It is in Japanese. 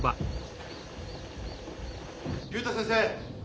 竜太先生